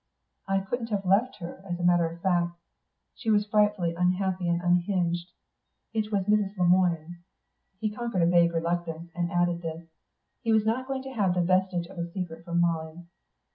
"I couldn't have left her, as a matter of fact. She was frightfully unhappy and unhinged.... It was Mrs. Le Moine." He conquered a vague reluctance and added this. He was not going to have the vestige of a secret from Molly.